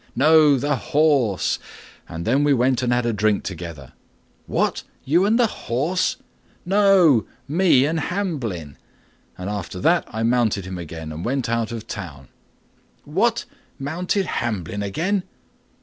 "No, the horse; and then we went and had a drink together." "What! you and the horse?" "No, me and Hamblin; and after that I mounted him again and went out of town." "What! mounted Hamblin again?"